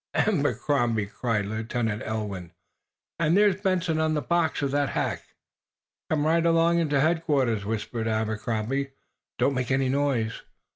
"Abercrombie!" cried Lieutenant Ulwin. "And there's Benson on the box of that hack!" "Come right along into headquarters," whispered Abercrombie. "Don't make any noise."